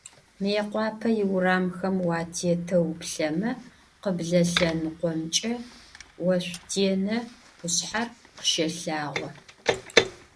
Mıêkhuape yiuramxem vuatêteu vuplheme khıble lhenıkhomç'e Voşsutêne khuşsher khışelhağo.